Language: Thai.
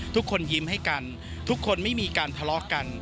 ทุกคนยิ้มให้กันทุกคนไม่มีการทะเลาะกัน